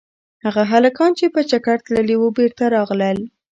هغه هلکان چې په چکر تللي وو بېرته راغلل.